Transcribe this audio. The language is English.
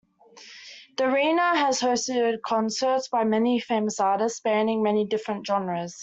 The arena has hosted concerts by many famous artists, spanning many different genres.